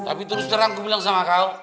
tapi terus terang ku bilang sama kau